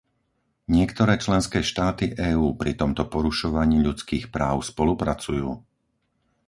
Niektoré členské štáty EÚ pri tomto porušovaní ľudských práv spolupracujú.